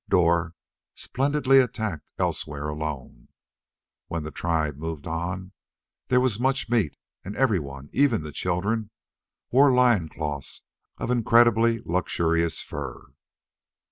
Dor splendidly attacked elsewhere, alone. When the tribe moved on, there was much meat, and everyone even the children wore loin cloths of incredibly luxurious fur.